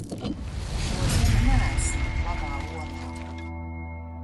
Šodien neesmu labā omā.